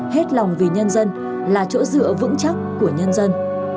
hết lòng vì nhân dân là chỗ dựa vững chắc của nhân dân